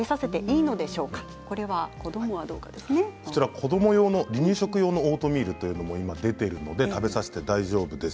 子ども用の離乳食用のオートミールというのも今出ていますので食べさせても大丈夫です。